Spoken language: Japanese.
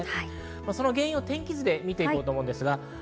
その原因を天気図で見て行こうと思います。